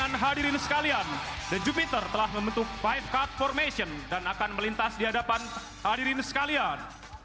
dan hadirin sekalian the jupiter telah membentuk lima card formation dan akan melintas di hadapan hadirin sekalian